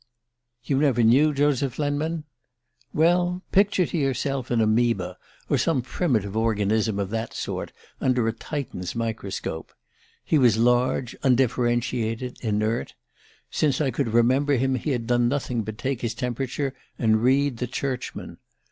"You never knew Joseph Lenman? Well, picture to yourself an amoeba or some primitive organism of that sort, under a Titan's microscope. He was large, undifferentiated, inert since I could remember him he had done nothing but take his temperature and read the Churchman.